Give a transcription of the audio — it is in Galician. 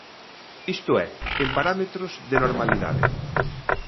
Isto é, en parámetros de normalidade.